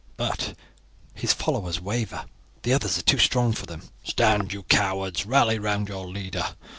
But his followers waver. The others are too strong for them. Stand, you cowards, rally round your leader!"